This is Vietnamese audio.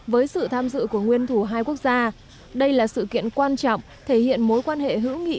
với sự tham dự của nguyên thủ hai quốc gia đây là sự kiện quan trọng thể hiện mối quan hệ hữu nghị